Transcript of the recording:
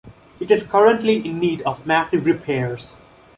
It is currently in need of massive repairs.